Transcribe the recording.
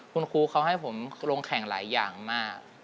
คุณครูเขาให้ผมลงแข่งหลายอย่างมาก